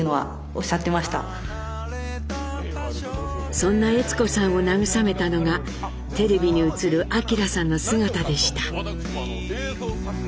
そんな悦子さんを慰めたのがテレビに映る明さんの姿でした。